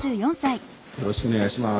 よろしくお願いします。